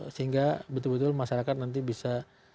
sehingga betul betul masyarakat nanti bisa